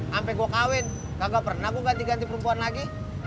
sampai gue kawin kagak pernah gue ganti ganti perempuan lagi